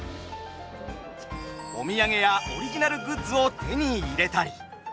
お土産やオリジナルグッズを手に入れたり。